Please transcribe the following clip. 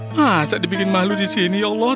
masa dibikin malu disini ya allah